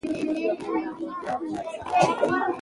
اقلیم د افغانستان د فرهنګي فستیوالونو برخه ده.